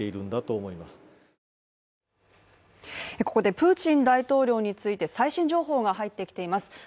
ここでプーチン大統領について最新情報が入ってきています。